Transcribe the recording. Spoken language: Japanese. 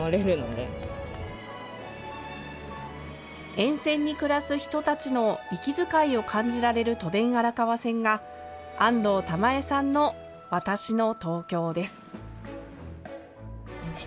沿線に暮らす人たちの息遣いを感じられる都電荒川線が安藤玉恵さんの「わたしの東京」です。